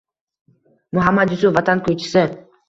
Muhammad Yusuf – Vatan kuychisi